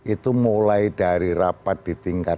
itu mulai dari rapat ditingkatkan